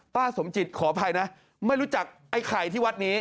สมจิตขออภัยนะไม่รู้จักไอ้ไข่ที่วัดนี้